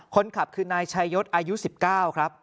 คนขับคือนายชายศอายุ๑๙ครับ